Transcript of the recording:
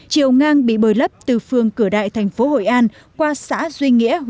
chiều ngang bị bồi lấp từ phường cửa đại thành phố hội an qua xã duy nghĩa